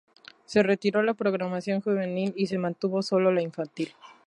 Se retiró la programación juvenil y se mantuvo sólo la infantil.